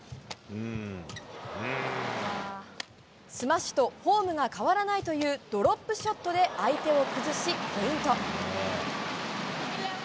スマッシュとフォームが変わらないというドロップショットで相手を崩しポイント。